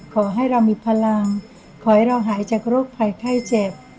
ขอให้เรามีพลังขอให้เราหายจากโรคภัยไข้เจ็บ